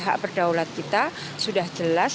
hak berdaulat kita sudah jelas